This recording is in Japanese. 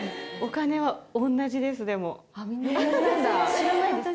知らないですか？